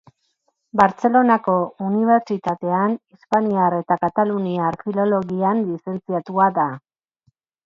Bartzelonako Unibertsitatean Hispaniar eta Kataluniar Filologian Lizentziatua da.